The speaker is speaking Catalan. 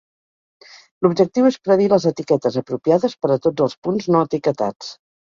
L'objectiu és predir les etiquetes apropiades per a tots els punts no etiquetats.